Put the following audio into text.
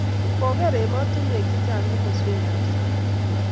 koker emotinwek che chang' komoswekab saet.